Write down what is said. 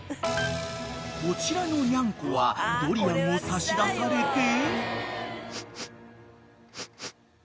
［こちらのニャンコはドリアンを差し出されて］